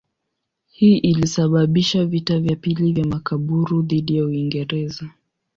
Hii ilisababisha vita vya pili vya Makaburu dhidi ya Uingereza.